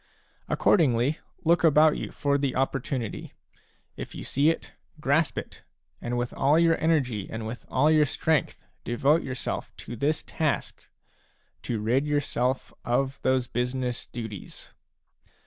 Accordingly, look about you for the opportunity ; if you see it, grasp it, and with all your energy and with all your strength devote yourself to this task, — to rid yourself of those business duties.